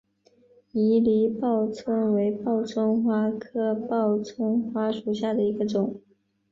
迷离报春为报春花科报春花属下的一个种。